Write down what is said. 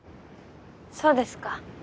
そうですか。